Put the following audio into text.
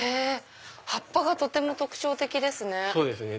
葉っぱがとても特徴的ですね。